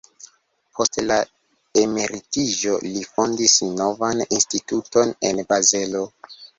Post la emeritiĝo li fondis novan instituton en Bazelo.